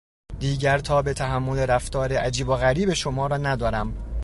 دیگر تاب تحمل رفتار عجیب و غریب شما را ندارم.